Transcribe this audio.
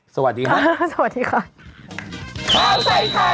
สวัสดีครับ